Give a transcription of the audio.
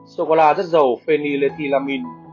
sô cô la rất giàu phenylethylamine